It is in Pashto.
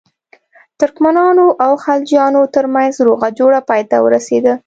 ترکمنانو او خلجیانو ترمنځ روغه جوړه پای ته ورسېده.